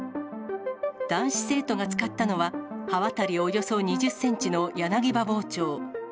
男子生徒が使ったのは、刃渡りおよそ２０センチの柳葉包丁。